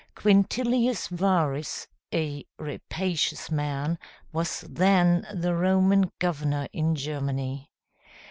Quintilius Varus, a rapacious man, was then the Roman governor in Germany.